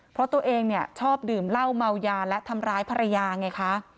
เพราะตัวเองเนี่ยชอบดื่มเหล้าเมายาและทำร้ายภรรยาไงคะ